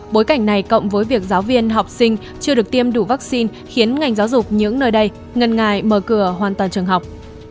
bối cảnh này cộng với việc giáo viên học sinh chưa được tiêm đủ vaccine khiến ngành giáo dục những nơi đây ngân ngại mở cửa hoàn toàn trường học